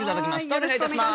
お願いします。